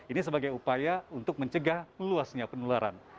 ini sebagai upaya untuk mencegah meluasnya penularan